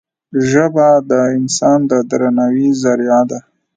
ژبه د انسان د درناوي زریعه ده